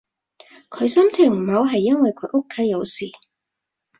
佢心情唔好係因為佢屋企有事